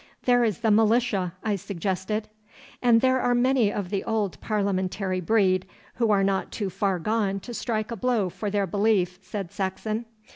'There is the militia,' I suggested. 'And there are many of the old parliamentary breed, who are not too far gone to strike a blow for their belief,' said Saxon.